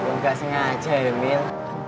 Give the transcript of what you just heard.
enggak sengaja ya emil